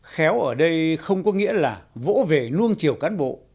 khéo ở đây không có nghĩa là vỗ về nuông chiều cán bộ